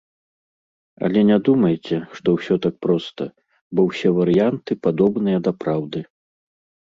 Але не думайце, што ўсё так проста, бо ўсе варыянты падобныя да праўды.